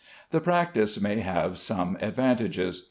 The practice may have some advantages.